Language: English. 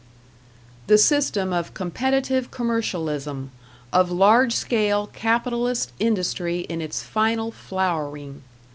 The system of competitive commercialism, of large scale capitalist industry in its final flowering!